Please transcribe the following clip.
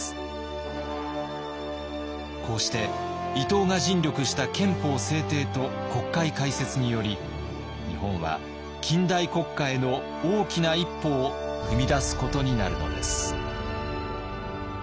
こうして伊藤が尽力した憲法制定と国会開設により日本は近代国家への大きな一歩を踏み出すことになるのです。